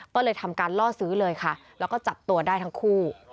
ก็เลยทำการล่อซื้อเลยค่ะแล้วก็จับตัวได้ทั้งคู่